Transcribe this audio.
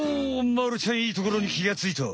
まるちゃんいいところにきがついた！